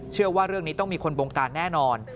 เชื่อว่าเรื่องนี้ต้องมีคนบงการแน่นอน